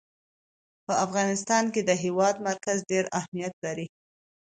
په افغانستان کې د هېواد مرکز ډېر اهمیت لري.